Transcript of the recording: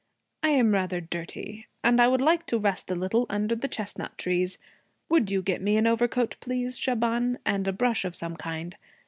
'I am rather dirty. And I would like to rest a little under the chestnut trees. Would you get me an overcoat please, Shaban, and a brush of some kind?